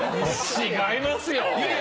違いますよ。